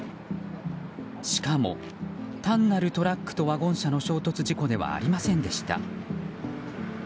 しかも、単なるトラックとワゴン車の衝突事故ではありませんでした。